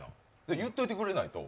言っといてくれないと。